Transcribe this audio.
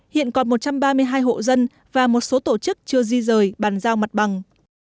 hiện còn một trăm ba mươi hai hộ dân và một số tổ chức chưa di rời bàn giao mặt bằng